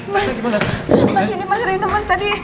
mas ini mas ren mas tadi